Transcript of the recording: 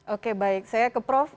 oke baik saya ke prof